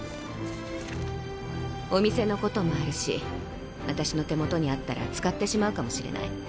お店のこともあるし私の手元にあったら使ってしまうかもしれない。